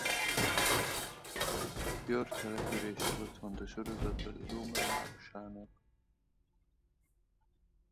York település ad otthont a sorozatbeli Rome városának.